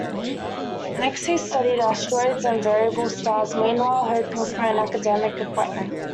Next he studied asteroids and variable stars, meanwhile hoping for an academic appointment.